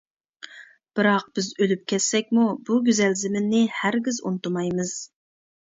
بىراق بىز ئۆلۈپ كەتسەكمۇ بۇ گۈزەل زېمىننى ھەرگىز ئۇنتۇمايمىز.